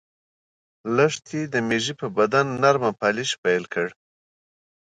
لښتې د مېږې په بدن نرمه مالش پیل کړ.